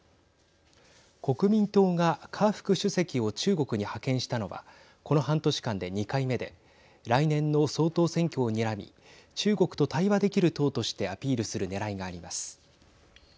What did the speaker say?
国民党が夏副主席を中国に派遣したのはこの半年間で２回目で来年の総統選挙をにらみ中国と対話できる党としてアピールするねらいがあります。